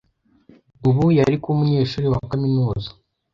ubu yari kuba umunyeshuri wa kaminuza.